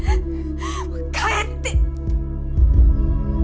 もう帰って。